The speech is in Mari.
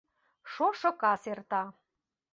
Шошо кас эрта.